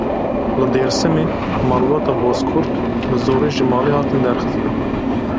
Li Dêrsimê malbata Bozkurt bi zorê ji malê hatin derxistin.